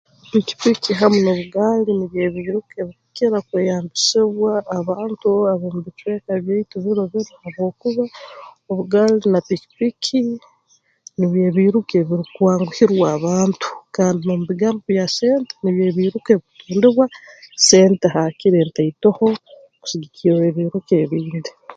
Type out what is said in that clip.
Pikipiki hamu n'obugaali nibyo ebiiruka ebikukira kweyambisibwa abantu ab'omu bicweka byaitu biro binu habwokuba obugaali na pikipiki nibyo ebiiruka ebirukwanguhirwa abantu kandi n'omu bigambo bya sente nibyo ebiiruka ebikutundibwa sente haakire ntaitoho kusigikirra ebiiruka ebindi